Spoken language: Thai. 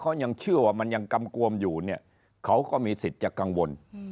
เขายังเชื่อว่ามันยังกำกวมอยู่เนี่ยเขาก็มีสิทธิ์จะกังวล